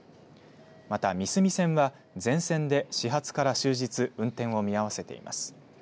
また三角線は全線で始発から終日運転を見合わせています。